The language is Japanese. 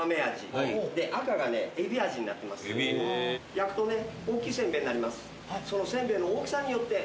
焼くとね大きいせんべいになります。